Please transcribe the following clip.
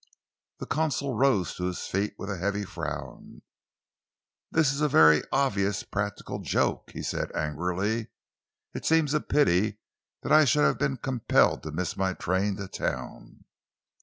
The consul rose to his feet with a heavy frown. "This is a very obvious practical joke," he said angrily. "It seems a pity that I should have been compelled to miss my train to town."